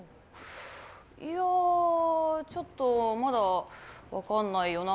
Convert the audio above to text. いやちょっと、まだ分かんないよな。